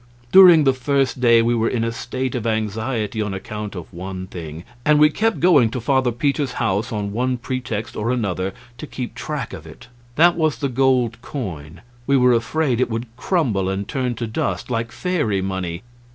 During the first day we were in a state of anxiety on account of one thing, and we kept going to Father Peter's house on one pretext or another to keep track of it. That was the gold coin; we were afraid it would crumble and turn to dust, like fairy money.